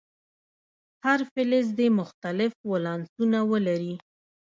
هر فلز دې مختلف ولانسونه ولري.